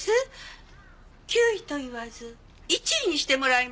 ９位と言わず１位にしてもらいましょ。